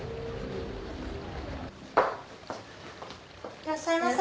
いらっしゃいませ。